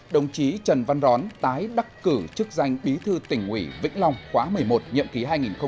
đồng chí trần văn rón tái đắc cử chức danh bí thư tỉnh ủy vĩnh long khóa một mươi một nhậm ký hai nghìn hai mươi hai nghìn hai mươi năm